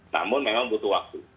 namun memang butuh waktu